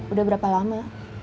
udah berapa lama